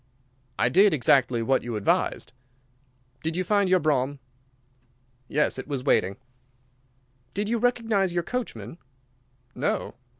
"I did exactly what you advised." "Did you find your brougham?" "Yes, it was waiting." "Did you recognise your coachman?" "No."